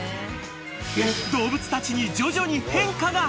［動物たちに徐々に変化が］